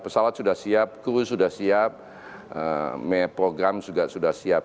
pesawat sudah siap kru sudah siap program juga sudah siap